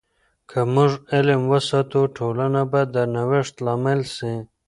که موږ علم وساتو، ټولنه به د نوښت لامل سي.